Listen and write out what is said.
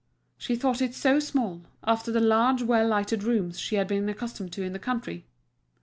She thought it so small, after the large well lighted rooms she had been accustomed to in the country.